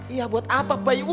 iya buat apa bayi